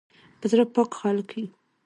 په زړه پاک خلک یو